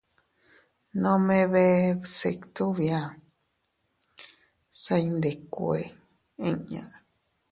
Nome bee bsitu bia, se iyndikkue inña.